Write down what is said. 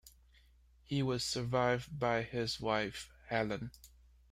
He was survived by his wife, Helen.